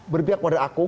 berpihak pada aku